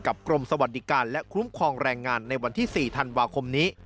กรมสวัสดิการและคุ้มครองแรงงานในวันที่๔ธันวาคมนี้